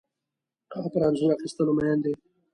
هغه پر انځور اخیستلو مین ده